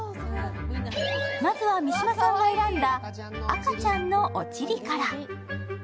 まずは三島さんが選んだ赤ちゃんのおちりから。